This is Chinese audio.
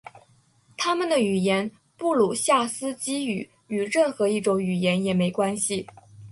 他们的语言布鲁夏斯基语与任何一种语言也没关系。